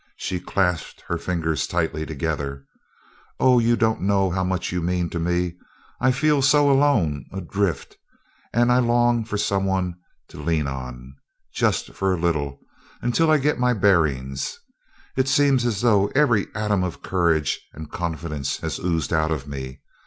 She clasped her fingers tightly together: "Oh, you don't know how much you mean to me! I feel so alone adrift and I long so for some one to lean on, just for a little, until I get my bearings. It seems as though every atom of courage and confidence had oozed out of me.